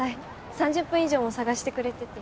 ３０分以上も捜してくれてて。